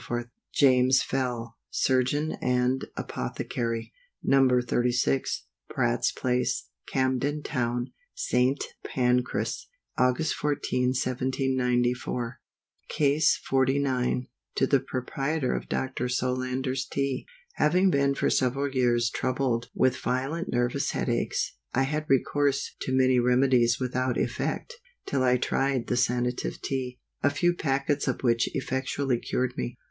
JAMES FELL, Surgeon and Apothecary. No. 36, Pratt's place, Camden Town, St. Pancras, Aug. 14, 1794. CASE XLIX. To the Proprietor of Dr. SOLANDER'S TEA. HAVING been for several years troubled with violent nervous head aches, I had recourse to many remedies without effect, till I tried the Sanative Tea, a few packets of which effectually cured me.